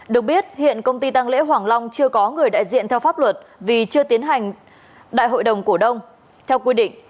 được biết hiện công ty tăng lễ hoàng long chưa có người đại diện theo pháp luật vì chưa tiến hành đại hội đồng cổ đông theo quy định